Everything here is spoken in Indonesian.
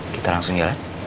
kita langsung jalan